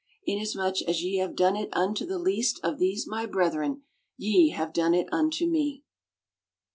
"Inasmuch as ye have done it unto the least of these my brethren, ye have done it unto me."